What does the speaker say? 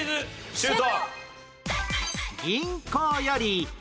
シュート！